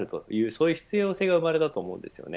そういう必要性が生まれたと思います。